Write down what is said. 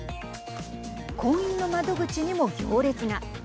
婚姻の窓口にも行列が。